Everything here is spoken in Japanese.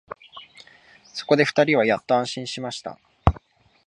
そこで二人はやっと安心しました